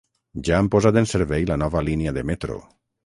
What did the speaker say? Ja han posat en servei la nova línia de metro.